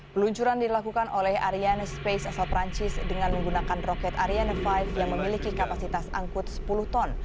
peluncuran dilakukan oleh arian space asal perancis dengan menggunakan roket ariane lima yang memiliki kapasitas angkut sepuluh ton